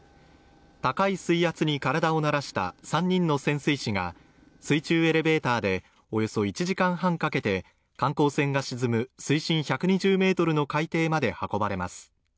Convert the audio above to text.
高い水圧に体を慣らした３人の潜水士が水中エレベーターでおよそ１時間半かけて観光船が沈む水深１２０メートルの海底まで運ばれます